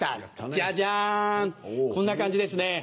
じゃじゃんこんな感じですね。